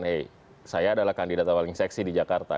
eh saya adalah kandidat paling seksi di jakarta